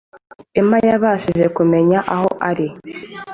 emma yabashije kumenya aho ari